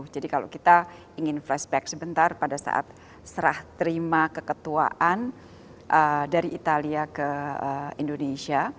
jadi kalau kita ingin flashback sebentar pada saat serah terima keketuaan dari italia ke indonesia